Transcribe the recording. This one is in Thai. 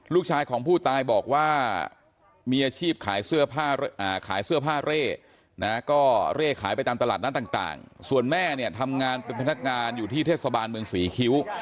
ลูกชายของผู้ตายบอกว่ามีอาชีพขายเสื้อผ้าขายเสื้อผ้าเร่นะก็เร่ขายไปตามตลาดนั้นต่างส่วนแม่เนี่ยทำงานเป็นพนักงานอยู่ที่เทศบาลเมืองศรีคิ้ว